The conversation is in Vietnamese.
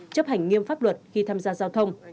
chấp hành nghiêm pháp luật khi tham gia giao thông